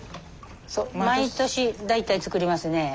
そう毎年大体作りますね。